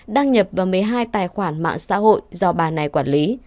đăng nhập vào một mươi hai tài khoản mạng xã hội